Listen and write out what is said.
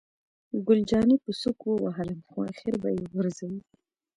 ګل جانې په سوک ووهلم، خو آخر به یې غورځوي.